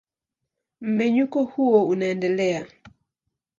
Mmenyuko huo unaendelea.